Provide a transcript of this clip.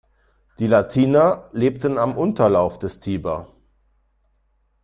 Die Latiner lebten am Unterlauf des Tiber.